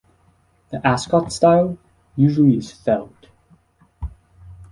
The Ascot style usually is felt.